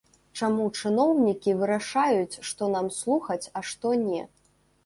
Чаму чыноўнікі вырашаюць, што нам слухаць, а што не?